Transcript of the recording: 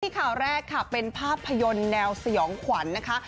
ข่าวแรกค่ะเป็นภาพยนตร์แนวสยองขวัญนะคะ